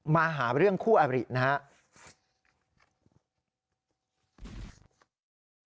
มาหาเรื่องคู่อบรินะครับ